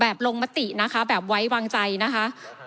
ลงมตินะคะแบบไว้วางใจนะคะ